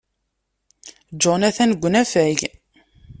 John atan deg unafag.